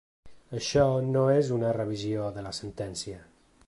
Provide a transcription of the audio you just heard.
Això no és una revisió de la sentència.